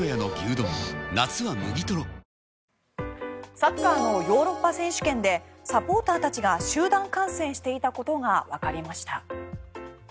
サッカーのヨーロッパ選手権でサポーターたちが集団感染していたことがわかりました。